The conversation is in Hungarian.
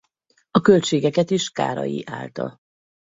A költségeket is Kárai állta.